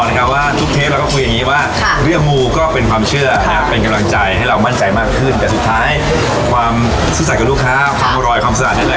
วงบ้านและก็เรื่องร้านเนี่ยมันนึงมีขุมศาสตร์เหลือเบิ้ลพ่ออะเก้าพ่อช่วยหน่อยนะคะเลยประมาณด้วย